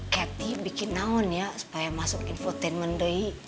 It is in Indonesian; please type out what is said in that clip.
kathy bikin naon ya supaya masuk infotainment